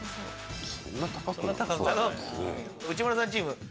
内村さんチーム。